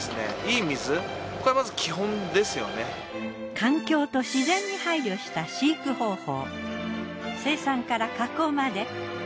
環境と自然に配慮した飼育方法。